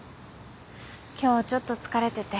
今日ちょっと疲れてて。